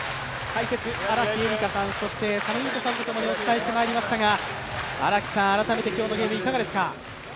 解説、荒木絵里香さん、そして、佐野優子さんと共にお伝えしてまいりましたが荒木さん、改めて今日のゲームいかがですか？